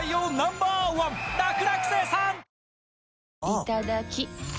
いただきっ！